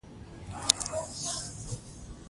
لوستې میندې د ماشوم اړتیاوې پر وخت پوره کوي.